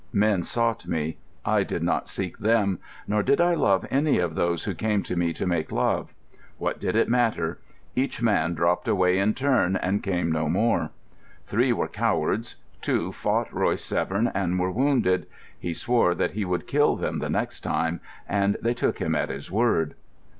Men sought me; I did not seek them, nor did I love any of those who came to me to make love. What did it matter? Each man dropped away in turn, and came no more. Three were cowards; two fought Royce Severn and were wounded; he swore that he would kill them the next time, and they took him at his word.